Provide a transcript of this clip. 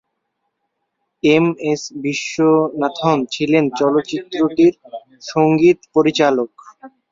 M S Viswanathan ছিলেন চলচ্চিত্রটির সঙ্গীত পরিচালক।